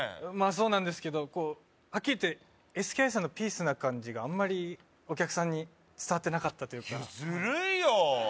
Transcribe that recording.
そうなんですけどはっきり言ってＳＫＩさんのピースな感じがあんまりお客さんに伝わってなかったというかいやずるいよ